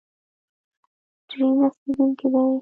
ټرین رسیدونکی دی